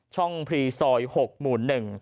ช่องพรีซอย๖หมู่๑